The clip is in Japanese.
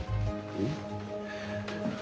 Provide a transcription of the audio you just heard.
うん。